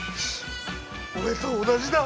俺と同じだ。